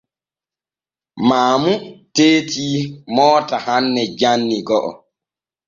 Maamu teeti moota hanne janni go’o.